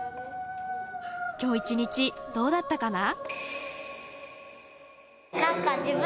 今日一日どうだったかな？